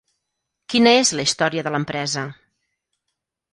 Quina és la història de l’empresa?